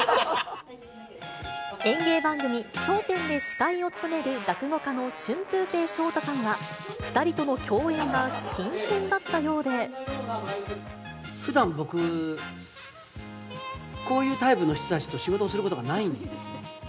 演芸番組、笑点で司会を務める落語家の春風亭昇太さんは、ふだん、僕、こういうタイプの人たちと仕事することがないんですね。